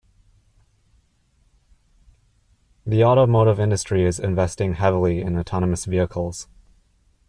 The automotive industry is investing heavily in autonomous vehicles.